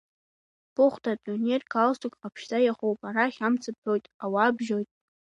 Быхәда апионер галстук ҟаԥшьӡа иахоуп, арахь амц бҳәоит, ауаа бжьоит!